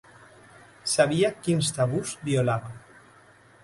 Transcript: Sabia quins tabús violava.